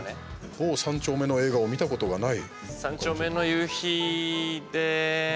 某三丁目の映画を見たことがない？